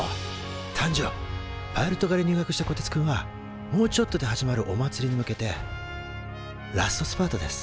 パイロット科に入学したこてつくんはもうちょっとで始まるおまつりに向けてラストスパートです